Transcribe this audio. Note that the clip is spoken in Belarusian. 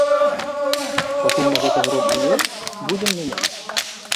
Пакуль на гэта грошы ёсць, будзем мяняць.